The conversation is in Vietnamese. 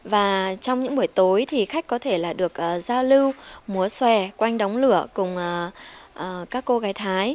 và trong những buổi tối thì khách có thể được giao lưu múa xòe quanh đóng lửa cùng các cô gái thái